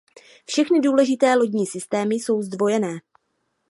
Všechny důležité lodní systémy jsou zdvojené.